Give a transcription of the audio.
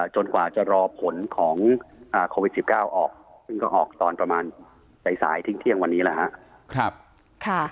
กว่าจะรอผลของโควิด๑๙ออกซึ่งก็ออกตอนประมาณสายทิ้งเที่ยงวันนี้แหละครับ